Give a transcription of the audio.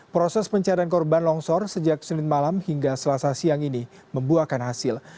proses pencarian korban longsor sejak senin malam hingga selasa siang ini membuahkan hasil